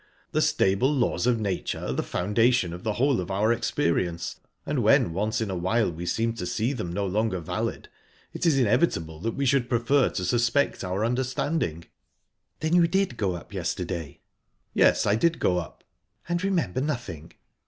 The stable laws of Nature are the foundation of the whole of our experience, and when once in a while we seem to see them no longer valid, it is inevitable that we should prefer to suspect our understanding." "Then you did go up yesterday?" "Yes, I did go up." "And remember nothing?"